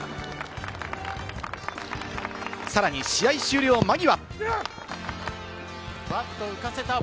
さらに試合終了間際。